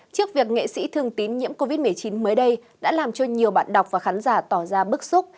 trước việc nghệ sĩ thường tín nhiễm covid một mươi chín mới đây đã làm cho nhiều bạn đọc và khán giả tỏ ra bức xúc